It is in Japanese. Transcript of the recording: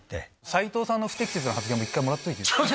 斉藤さんの不適切な発言も、一回もらっといていいですか？